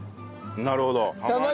なるほど。